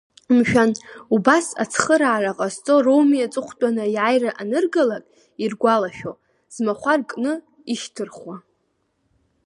Мшәан, убас ацхыраара ҟазҵо роуми аҵыхәтәаны аиааира аныргалак иргәалашәо, змахәар кны ишьҭырхуа.